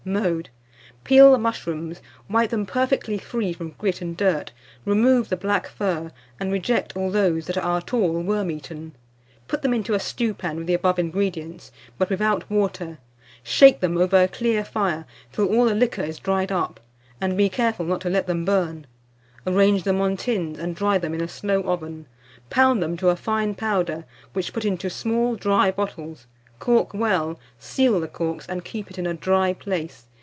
Mode. Peel the mushrooms, wipe them perfectly free from grit and dirt, remove the black fur, and reject all those that are at all worm eaten; put them into a stewpan with the above ingredients, but without water; shake them over a clear fire, till all the liquor is dried up, and be careful not to let them burn; arrange them on tins, and dry them in a slow oven; pound them to a fine powder, which put into small dry bottles; cork well, seal the corks, and keep it in a dry place.